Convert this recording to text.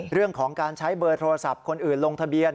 เรื่องของการใช้เบอร์โทรศัพท์คนอื่นลงทะเบียน